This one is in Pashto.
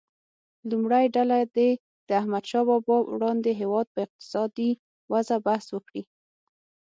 لومړۍ ډله دې د احمدشاه بابا وړاندې هیواد په اقتصادي وضعه بحث وکړي.